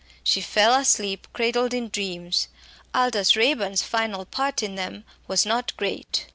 She fell asleep cradled in dreams. Aldous Raeburn's final part in them was not great!